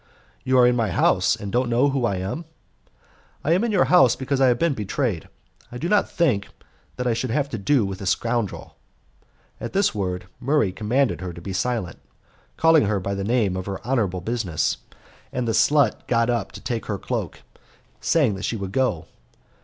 "You are in my house, and don't know who I am?" "I am in your house because I have been betrayed. I did not think that I should have to do with a scoundrel." At this word Murray commanded her to be silent, calling her by the name of her honourable business; and the slut got up to take her cloak, saying she would go.